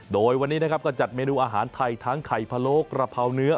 โดยวันนี้นะครับก็จัดเมนูอาหารไทยทั้งไข่พะโลกกระเพราเนื้อ